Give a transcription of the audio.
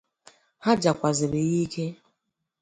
Ha jàkwàzịrị ya ike